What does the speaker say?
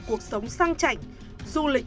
cuộc sống sang chảnh du lịch